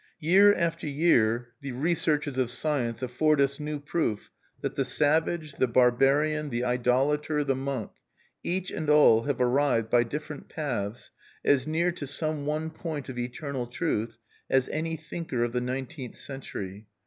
Year after year the researches of science afford us new proof that the savage, the barbarian, the idolater, the monk, each and all have arrived, by different paths, as near to some one point of eternal truth as any thinker of the nineteenth century.